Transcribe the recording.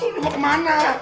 lu mau kemana